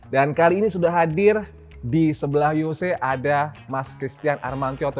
dan kali ini sudah hadir di sebelah yose ada mas christian armantyoto